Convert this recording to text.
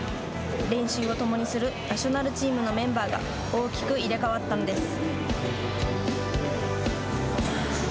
練習を共にするナショナルチームのメンバーが大きく入れ代わったのです。